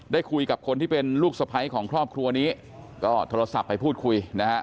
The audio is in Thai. ได้คุยกับคนที่เป็นลูกสะพ้ายของครอบครัวนี้ก็โทรศัพท์ไปพูดคุยนะฮะ